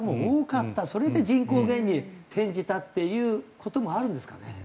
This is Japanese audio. それで人口減に転じたっていう事もあるんですかね？